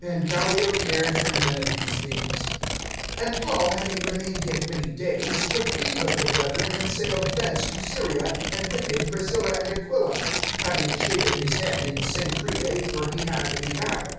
And Gallio cared for none of these things. (18)And Paul having remained yet many days, took leave of the brethren, and sailed thence to Syria, and with him Priscilla and Aquila; having shaven his head in Cenchrea, for he had a vow.